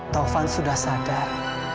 taufan sudah sadar